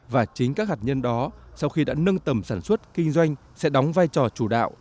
và chính các hạt nhân đó sau khi đã nâng tầm sản xuất kinh doanh sẽ đóng vai trò chủ đạo